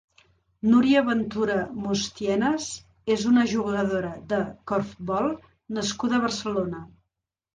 Núria Ventura Mustienes és una jugadora de corfbol nascuda a Barcelona.